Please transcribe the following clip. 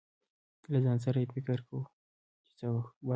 له ځان سره يې فکر کو، چې څه ورکړم.